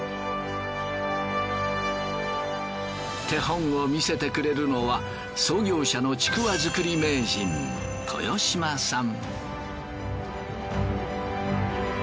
手本を見せてくれるのは創業者のちくわ作り名人豊島さん。